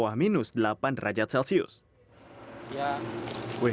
warna biru untuk vaksin dengan standar suhu dua delapan derajat celcius